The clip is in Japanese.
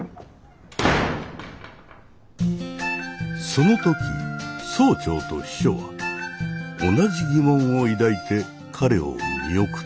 その時総長と秘書は同じ疑問を抱いて彼を見送った。